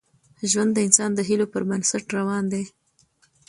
ژوند د انسان د هیلو پر بنسټ روان وي.